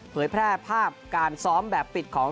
เผยแพร่ภาพการซ้อมแบบปิดของ